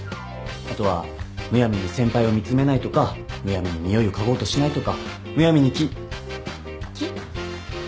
あとはむやみに先輩を見詰めないとかむやみににおいを嗅ごうとしないとかむやみにキ。キ？